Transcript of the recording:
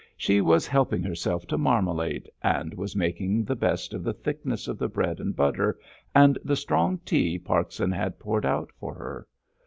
She was helping herself to marmalade, and was making the best of the thickness of the bread and butter, and the strong tea Parkson had poured out for her.